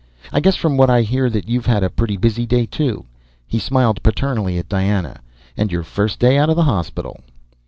I guess from what I hear that you've had a pretty busy day, too." He smiled paternally at Diana. "And your first day out of the hospital."